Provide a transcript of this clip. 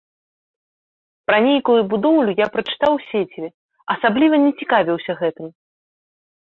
Пра нейкую будоўлю я прачытаў у сеціве, асабліва не цікавіўся гэтым.